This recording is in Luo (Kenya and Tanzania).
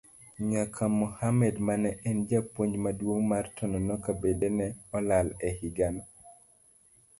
Nyaka Mohammad mane en japuonj maduong' mar Tononoka bende ne olal e higano.